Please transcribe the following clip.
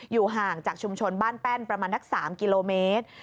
ห่างจากชุมชนบ้านแป้นประมาณนัก๓กิโลเมตร